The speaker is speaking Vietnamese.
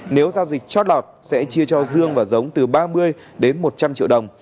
nếu giao dịch chót lọt sẽ chia cho dương và giống từ ba mươi đến một trăm linh triệu đồng